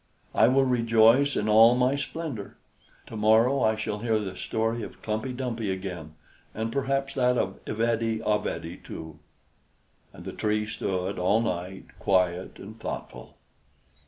"I will rejoice in all my splendor. To morrow I shall here the story of Klumpey Dumpey again, and perhaps that of Ivede Avede, too." And the Tree stood all night quiet and thoughtful.